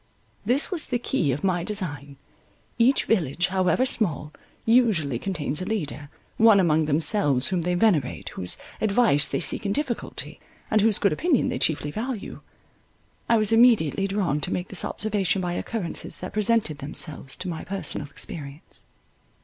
This was the key of my design. Each village, however small, usually contains a leader, one among themselves whom they venerate, whose advice they seek in difficulty, and whose good opinion they chiefly value. I was immediately drawn to make this observation by occurrences that presented themselves to my personal experience.